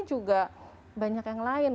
juga banyak yang lain